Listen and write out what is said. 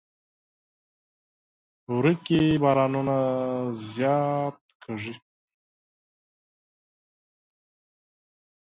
وری کې بارانونه زیات کیږي.